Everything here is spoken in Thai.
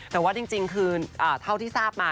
แต่ว่าจริงคือเท่าที่ทราบมา